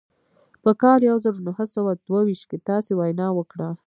په کال يو زر و نهه سوه دوه ويشت کې تاسې وينا وکړه.